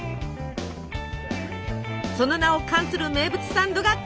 その名を冠する名物サンドがこちら。